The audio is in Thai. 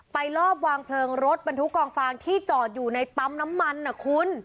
รอบวางเพลิงรถบรรทุกกองฟางที่จอดอยู่ในปั๊มน้ำมันนะคุณ